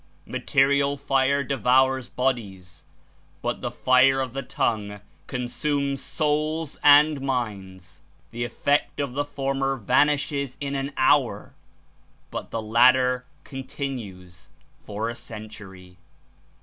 Material fire devours bodies, but the fire of the tongue consumes souls and minds. The effect of the former vanishes in an hour, but the latter continues for a century."